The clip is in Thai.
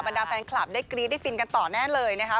ดาแฟนคลับได้กรี๊ดได้ฟินกันต่อแน่เลยนะคะ